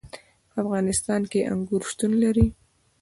په افغانستان کې انګور شتون لري.